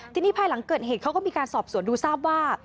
ทีนี้ภายหลังเกิดเหตุเขาก็มีการสอบสวนดูทราบว่า